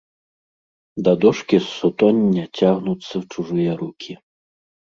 Да дошкі з сутоння цягнуцца чужыя рукі.